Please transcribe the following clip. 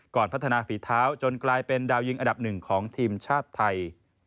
พัฒนาฝีเท้าจนกลายเป็นดาวยิงอันดับหนึ่งของทีมชาติไทย